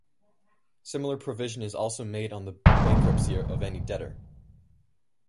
Similar provision is also made on the bankruptcy of any debtor.